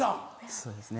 そうですね